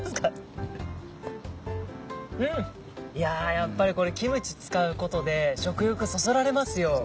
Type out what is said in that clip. やっぱりキムチ使うことで食欲そそられますよ。